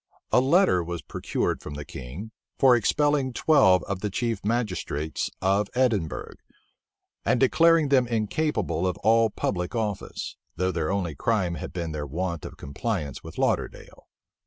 A letter was procured from the king, for expelling twelve of the chief magistrates of Edinburgh, and declaring them incapable of all public office; though their only crime had been their want of compliance with Lauderdale.